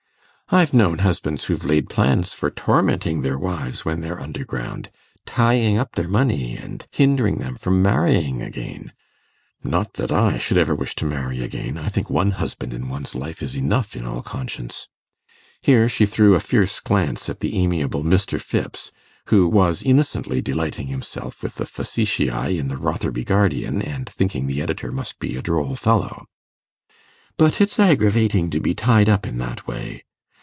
I've known husbands who've laid plans for tormenting their wives when they're underground tying up their money and hindering them from marrying again. Not that I should ever wish to marry again; I think one husband in one's life is enough in all conscience'; here she threw a fierce glance at the amiable Mr. Phipps, who was innocently delighting himself with the facetiæ in the 'Rotherby Guardian,' and thinking the editor must be a droll fellow 'but it's aggravating to be tied up in that way.